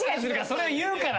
それを言うから。